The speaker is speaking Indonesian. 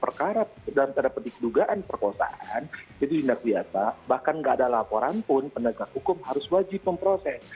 perkara dalam tanda kedugaan perkosaan jadi tindak pidana bahkan tidak ada laporan pun penegak hukum harus wajib memproses